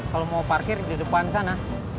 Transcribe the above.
kalau mau parkir di depan sana